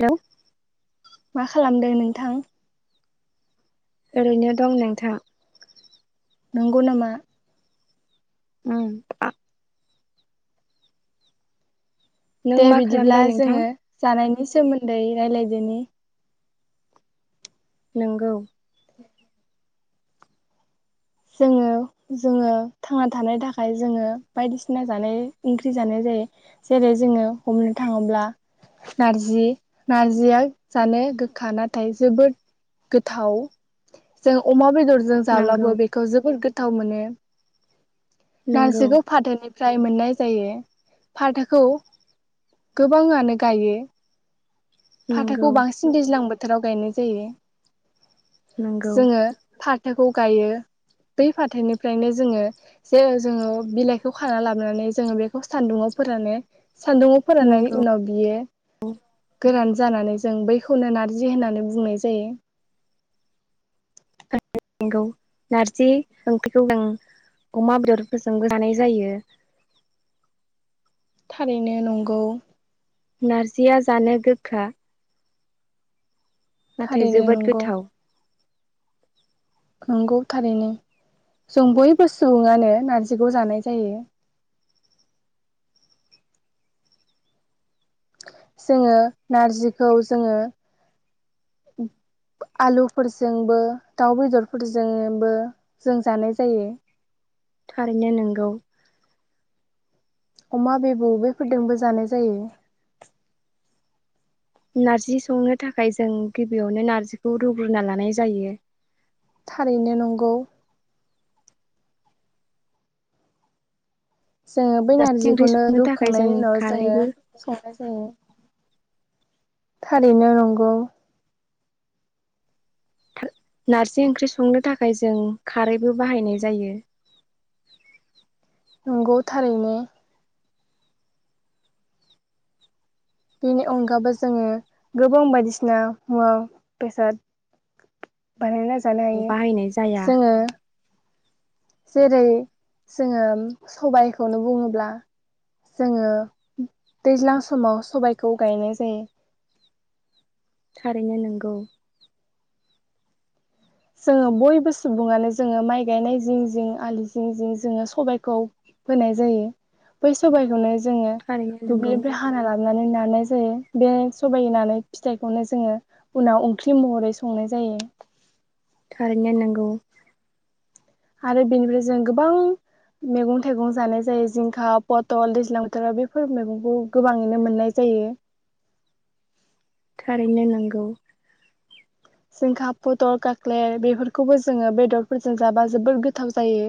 Hello. मा खालामदों नोंथां? ओरैनो दं नोंथां। नंगौ नामा? उम। नों दे मा बिदिब्ला खालामदों नोंथां जोङो जानायनि नि सोमोन्दै रायलायदोनि। नोंगौ। जोङो जोङो थांना थानायनि थाखाय जोङो बायदिसिना जानाय ओंख्रि जानाय जायो जेरै जोङो हमनो थाङोब्ला नारजि नारजिया जानो गोखा नाथाय जोबोद गोथाव जों अमा बेदर जों नोंगौ जाब्लाबो बे जोबोर गोथाव मोनो। नोंगौ नारजिखौ फादोनि फ्राय मोननाय जायो फाथोखौ गोबाङांनो गायो। नोंगौ फाथोखौ बांसिन दैज्लां बो थोराव गायनाय जायो। नोंगौ जोंङो फा थोखौ गायो बै फाथोनिफ्रायनो जोंङो जे जोंङो बिलाइखौ खाना लाबोनानै जोंङो बेखौ सान्दुंङाव फोरानो सान्दुङाव फोराननायनि नोंगौ उनाव बियो गोरान जानानै जों बैखौनो नारजि होननानै बुंनाय जायो। नोंगौ नारजि ओंख्रिखौ [unintelligible] अमा बेदरफोरजोंबो जानाय जायो। थारैनो नंगौ। नारजिया जानो गोखा। नाथाय थारैनो जोबोद नंगौ गोथाव नंगौ थारैनो जों बयबो सुबुंङानो नारजिखौ जानाय जायो। जोंङो नारजिखौ जोंङो आलुफोरजोंबो दाउ बेदरफोरजोंबो जों जानाय जायो। थारैनो नोंगौ। अमा बेबौ बेफोरजोंबो जानाय जायो। नारजि संनो थाखाय जों गिबियावनो नारजिखौ रुग्रोनना लानाय जायो। थारैनो नंगौ। जोंङो बै नारजि ओंख्रि नारजिखौनो संनो थाखाय जों रुखांनायनि उनाव जोंङो खारैबो संनाय औ थारैनो नंगौ। थार नारजि ओंख्रि संनो थाखाय जों खारैबो बाहायनाय जायो। नंगौ थारैनो। बेनि अनगाबो जोंङो गोबां बायदिसिना मुवा बेसाद बानायना जा जानो हायो बाहायनाय जाया जोंङो। जेरै जोंङो सबायखौनो बुङोब्ला जोंङो दैज्लां समाव सबायखौ गायनाय जायो। थारैनो नोंगौ। जोंङो बयबो सुबुंङानो जोंङो माइ गायनाय जिं जिं आलि जिं जिं जोंङो सबायखौ फोनाय जायो बै सबाइखौनो जोङो थारैनो नंगौ दुब्लिनिफ्राय हाना लाबनानै ना नाय जायो बे सबबायनानै फिथाइखौनो जोङो उनाव ओंख्रि महरै संनाय जायो। थैनो नंगौ। आरो बेनिफ्राय जों गोबां मैगं थाइगं जानाय जायो जिंखा पथल दैज्लां बोथोराव बेफोर मैगंखौ गोबाङैनो मोननाय जायो। थारैनो नोंगौ। जिंखा फटल गाख्लेर बेफोरखौबो जोङो बेदरफोरजों जाबा जोबोर गोथाव जायो।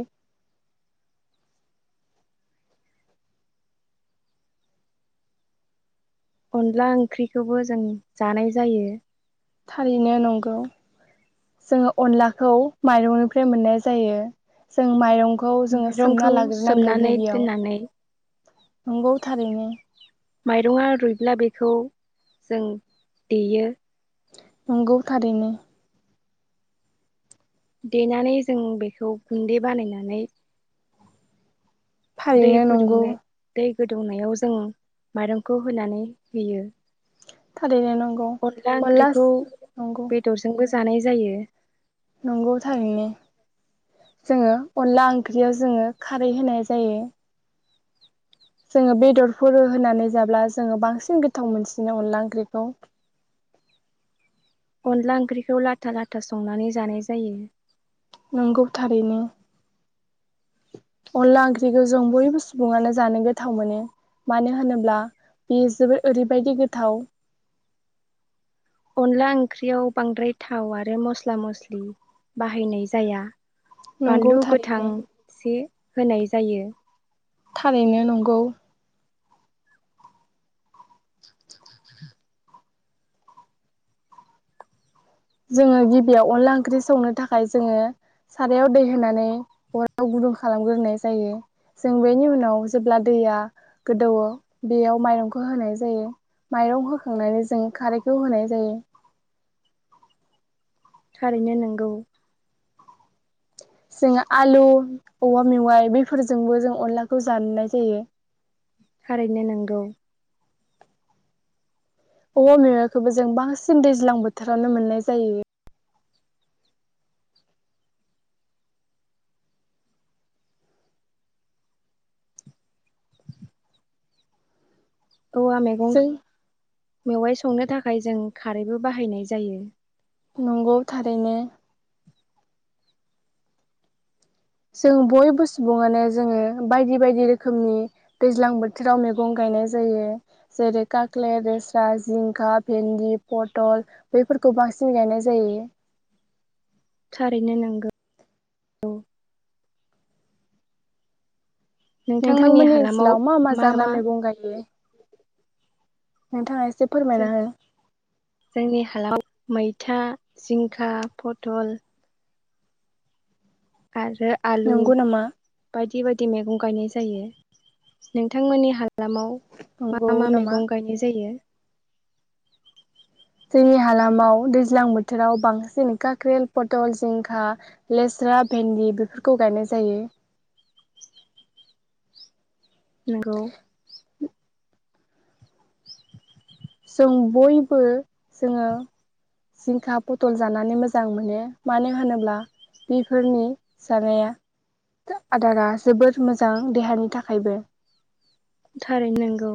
अनला ओंख्रिखौबो जों जानाय जायो। थारैनो नंगौ जोङो अनलाखौ माइरंनिफ्राय मोननाय जायो। जों माइरंखौ खौ जोङो माइरंखौ सोमना लाग्रोनांगौ सोमनानै गिबियाव दोननानै नंगौ थारैनो। माइरङा रुइब्ला बेखौ जों देयो। नंगौ थारैनो। देनानै जों बेखौ गुन्दै बानायनानै दै फारैनो नंगौ। फुदुंनो दै गोदौनायाव जों माइरंखौ होनानै होयो। थारैनो नांगौ अनला अनलास ओंख्रिखौ नंगौ। [unintelligible] नंगौ थारै नो। जोंङो अनला ओंख्रियाव जोङो खारै होनाय जायो। जोंङो बेदरफोर होनानै जाब्ला जोङो बांसिन गोथाव मोनसिनो अनला ओंख्रिखौ। अनला ओंख्रिखौ लाथा लाथा संनानै जानाय जायो। नंगौ थारैनो अनला ओंख्रिखौ जों बयबो सुबुङानो जानो गोथाव मोनो। मानो होनोब्ला बे जबोर ओरैबायदि गोथाव अनला ओंख्रियाव बांद्राय थाव आरो मस्ला मस्लि बाहायनाय जाया। नंगौ बानलु थारैनो गोथांसे होनाय जायो। थारैनो नंगौ। जोङो गिबियाव अनला ओंख्रि संनो थाखाय जोङो सारायाव दै होनानै अराव गुदुं खालामग्रोनाय जायो। जों बेनि उनाव जेब्ला दैया गोदौवो बेयाव माइरंखौ होनाय जायो माइरं होखांनानै जों खारैखौ होनाय जायो। थारैनो नोंगौ। जों आलु औवा मेवा। इ बैफोरजोंबो जों अनलाखौ जानोनाय जायो। खारैनो नांगौ। औवा मेवाइखौबो जों बांसिन दैज्लां बोथोरावनो मोननाय जायो। औवा मैगं जों मेवाइ संनो थाखाय जों खारैबो बाहायनाय जायो। नंगौ थारैनो। जों बयबो सुबुङानो जोङो बायदि बायदि रोखोमनि दैज्लां बोथोराव मैगं गायनाय जायो जेरै काख्ले दोस्रा जिंखा भेन्दि पथल बैफोरखौ बांसिन गायनाय जायो। थारैनो नांगौ। नोंथांमोननि ओनसोलाव मा मा जाग्रा मैगं गायो? [unintelligible] [inaudible] नोंथांङा एसे जो फोरमायना हो जोंनि हालाव मैथा, जिंखा, पथल आरो आलु नंगौ नामा बायदि बायदि। मैगं गायनाय जायो नोंथांनि ह हालामाव मा नंगौ मा नामा मैगं गायनाय जायो जोंनि हालामाव दैज्लां बोथोराव बांसिन काख्रेल पटल जिंखा लेस्रा भेन्दि बेफोरखौ गायनाय जायो नंगौ जों बयबो जोंङो जिंखा पथल जानानै मोजां मोनो मानो होनोब्ला बेफोरनि जानाया आदारा जोोबोर मोजां देहानि थाखायबो थारै नांगौ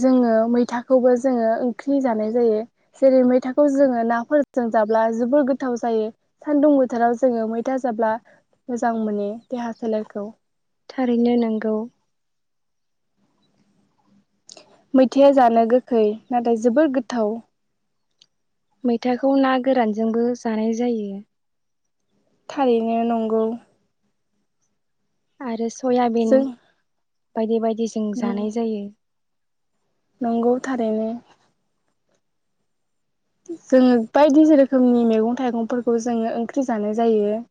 जोङो मैथाखौबो जोङो ओंख्रि जानाय जायो जेरै मैथाखौ जोंङो नाफोरजों जाब्ला जोबोर गोथाव जायो सानदुं बोथोराव जोङो मैथा जाब्ला मोजां मोनो देहा सोलेरखौ थारैनो नांगौ मैथायआ जानो गोखै नाथाय जोबोर गोथाव मैथाखौ ना गोरानजोंबो जानाय जायो थारैनो नंगौ आरो सयाबिन जों बायदि बायदि [unintelligible] जानाय जायो नंगौ थारैनो जोङो बायदि रोखोमनि मैगं थाइगंफोरखौ जोङो ओंख्रि जानाय जायो,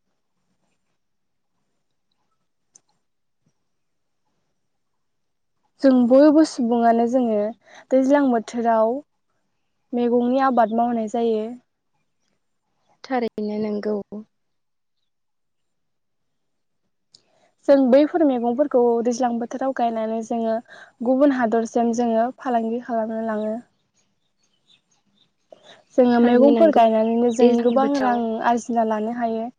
जों बयबो सुबुङानो जोङो दैज्लां बोथोराव मैगंनि आबाद मावनाय जायो। थारैनो नंगौ जों बैफोर मैगंफोरखौ दैज्लां बोथोराव गायनानै जोङो गुबुन हादरसिम जोङो फालांगि खालामनो लाङो, जोङो थारैनो मैगंफोर नोंगौ गायनानैनो जों दैज्लां गोबां बोथोराव रां आरजिना लानो, हायो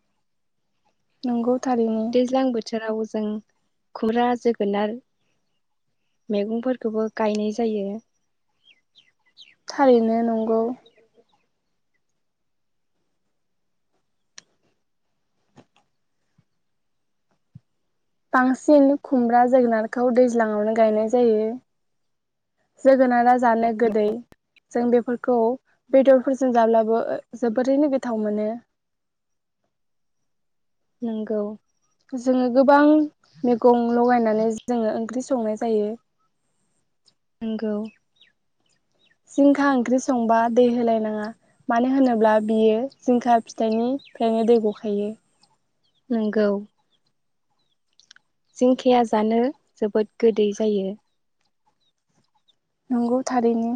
नंगौ थारिनि दैज्लां बोथोराव जों खुम्रा जोगोनार मैगंफोरखौबो गायनाय जायो, थारैनो नंगौ बांसिन खुमब्रा जोगोनारखौ दैज्लाङावनो गायनाय जायो जो जोगोनारा जानो गोदै जों बे फोरखौ बेदरफोरजों जाब्लाबो जोबोरैनो गोथाव मोनो, नोंगौ जोङो गोबां मैगं लगायनानै जोङो ओंख्रि संनाय जायो। नंगौ जिंखा ओंख्रि संबा दै होलायनाङा मानो होनोब्ला बियो जिंखा फिथाइनिफ्रायनो दै गखायो, नोंगौ जिंखाया जानो जोबोद गोदै जायो। नंगौ थारैनो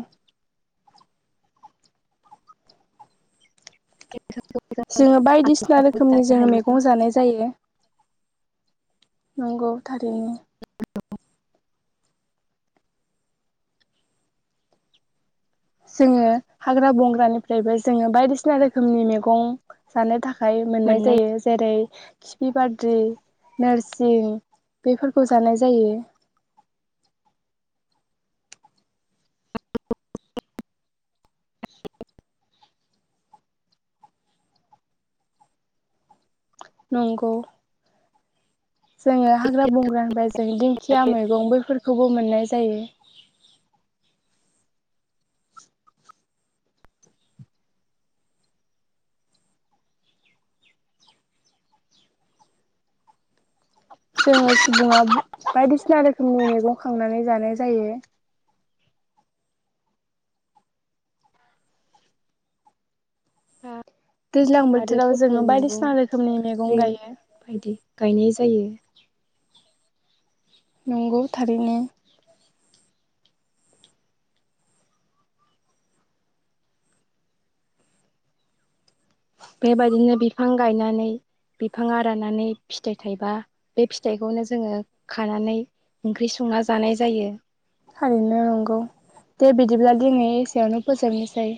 जोङो बायदिसिना आलुजोंबो रोखोमनि जानो जोङो हायो मैगं जानाय जायो। नंगौ थारैनो जोङो हाग्रा बंग्रानिफ्रायबो जोङो बायदिसिना रोखोमनि मैगं जानो था खाय मोननाय जायो जेरै। खिफि बाद्रि नोरसिं बेफोरखौ जानाय जायो। नंगौ। जोङो हाग्रा बंग्रा होनबा जों दिंखिया मैगं बैफोरखौबो मोननाय जायो। जोङो सुबुङा बायदिसिना रोखोमनि मैगं खांनानै जानाय जायो। [unintelligible] दैज्लां आरो बोथोराव पथल जोङो मैगं बायदिसिना रोखोमनि मैगं रेल गायो। बायदि गायनाय जायो। नंगौ थारैनो। बेबायदिनो बिफां गायनानै बिफां राननानै फिथाइ थाइबा बे फिथाइखौनो जोङो खानानै ओंख्रि संना जानाय जायो। थारैनो नंगौ दे बिदिब्ला दिनै एसेयावनो फोजोबनोसै।